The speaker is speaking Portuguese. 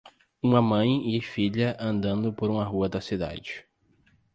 Uma mãe e filha andando por uma rua da cidade.